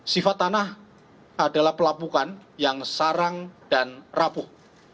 sifat tanah adalah pelapukan yang sarang dan rapuh